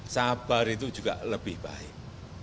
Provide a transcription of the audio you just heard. sabar itu juga lebih baik